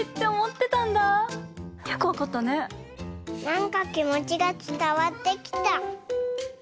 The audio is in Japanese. なんかきもちがつたわってきた。